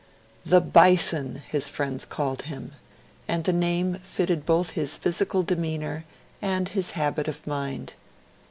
'The Bison' his friends called him; and the name fitted both his physical demeanour and his habit of mind.